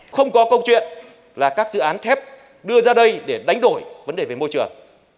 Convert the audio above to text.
không có câu chuyện là các dự án thép đưa ra đây để đánh đổi vấn đề về môi trường